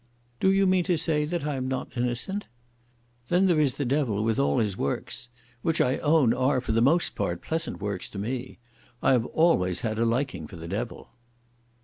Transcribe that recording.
"Do you mean to say that I am not innocent?" "Then there is the Devil with all his works, which I own are, for the most part, pleasant works to me. I have always had a liking for the Devil."